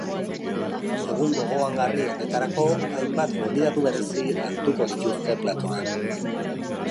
Egun gogoangarri horretarako, hainbat gonbidatu berezi hartuko dituzte platoan.